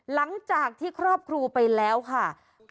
หลังจากที่ครอบครูไปแล้วค่ะ